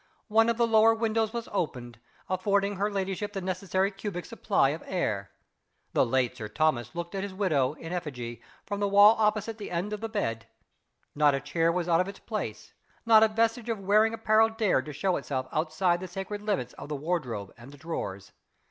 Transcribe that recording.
One of the lower windows was open, affording her ladyship the necessary cubic supply of air. The late Sir Thomas looked at his widow, in effigy, from the wall opposite the end of the bed. Not a chair was out of its place; not a vestige of wearing apparel dared to show itself outside the sacred limits of the wardrobe and the drawers.